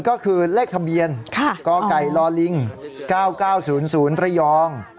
ก็คือเลขทะเบียนกไก่ลิง๙๙๐๐ระยอง